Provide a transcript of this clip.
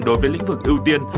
đối với lĩnh vực ưu tiên